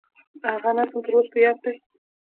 هغه نظم تر اوسه په یاد دي.